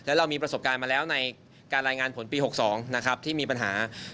แล้วเรามีประสบการณ์มาแล้วในการรายงานผลปี๖๒นะครับที่มีปัญหา